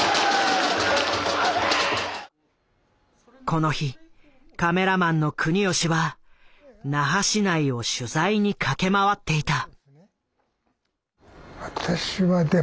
この日カメラマンの國吉は那覇市内を取材に駆け回っていた。